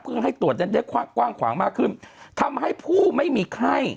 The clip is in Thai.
เพื่อให้ตรวจนั้นได้กว้างขวางมากขึ้นทำให้ผู้ไม่มีไข้